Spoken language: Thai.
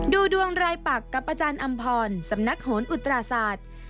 ดูดวงรายปักกับอาจารย์อำพรสำนักโหนอุตราศาสตร์